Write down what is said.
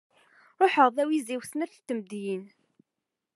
Ruḥeɣ d awiziw snat tmeddiyin.